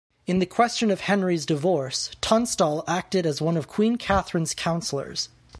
In the question of Henry's divorce, Tunstall acted as one of Queen Catherine's counselors.